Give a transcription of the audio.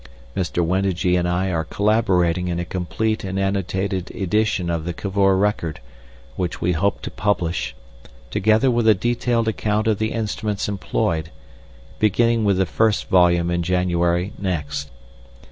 Mr. Wendigee and I are collaborating in a complete and annotated edition of the Cavor record, which we hope to publish, together with a detailed account of the instruments employed, beginning with the first volume in January next.